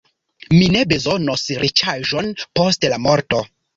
Mi ne bezonos riĉaĵon post la morto.